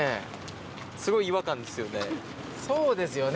すごい違和感ですよね。